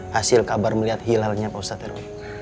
hasil kabar melihat hilalnya pak ustadz rw